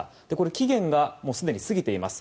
期限がすでに過ぎています。